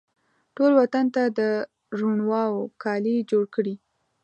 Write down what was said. ټول وطن ته د روڼاوو کالي جوړکړي